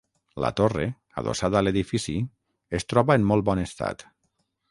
La torre, adossada a l'edifici, es troba en molt bon estat.